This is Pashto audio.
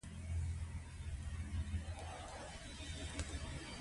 زه د سونا وروسته د رواني آرامۍ تجربه ثبتوم.